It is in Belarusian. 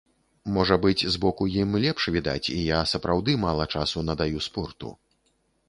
Можа быць, збоку ім лепш відаць і я сапраўды мала часу надаю спорту.